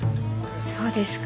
そうですか。